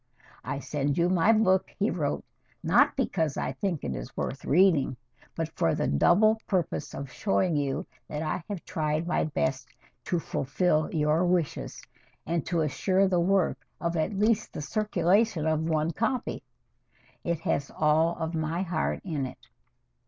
"I send you my book," he wrote, "not because I think it is worth reading, but for the double purpose of showing you that I have tried my best to fulfil your wishes, and to assure the work of at least the circulation of one copy. It has all of my heart in it."